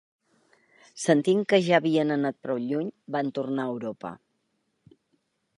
Sentint que ja havien anat prou lluny, van tornar a Europa.